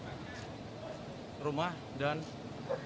jadi kita bisa membuatnya lebih mudah